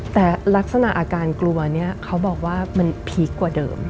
แต่ลักษณะอาการกลัวเนี่ยเขาบอกว่ามันพีคกว่าเดิม